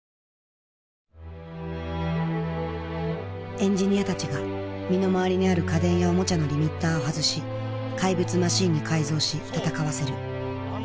エンジニアたちが身の回りにある家電やおもちゃのリミッターを外し怪物マシンに改造し戦わせる「魔改造の夜」。